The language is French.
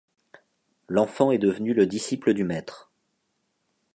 L'enfant est devenu le disciple du maître.